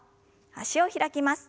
脚を開きます。